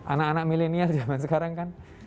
anak anak milenial zaman sekarang kan